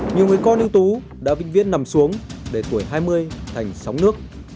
nhiều người con ưu tú đã vĩnh viễn nằm xuống để tuổi hai mươi thành sóng nước